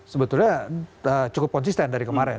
sebetulnya cukup konsisten dari kemarin